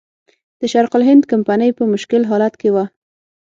د شرق الهند کمپنۍ په مشکل حالت کې وه.